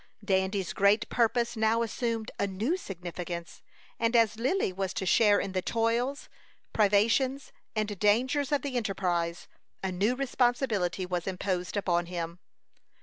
Dandy's great purpose now assumed a new significance; and as Lily was to share in the toils, privations, and dangers of the enterprise, a new responsibility was imposed upon him.